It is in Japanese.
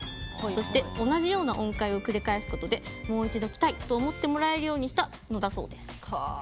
そして、同じような音階を繰り返すことでもう一度来たいと思ってもらえるにしたんだそうです。